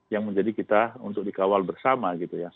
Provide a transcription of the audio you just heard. yang menjadi kita untuk dikawal bersama